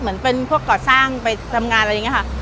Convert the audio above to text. เหมือนเป็นพวกก่อสร้างไปทำงานอะไรอย่างนี้ค่ะ